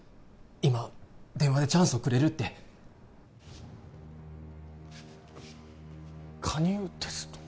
今電話でチャンスをくれるって加入テスト？